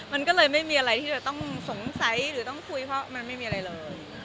มันก็เลยไม่มีอะไรที่จะต้องสงสัยหรือต้องคุยเพราะมันไม่มีอะไรเลย